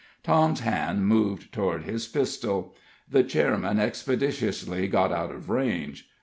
Tom's hand moved toward his pistol. The chairman expeditiously got out of range.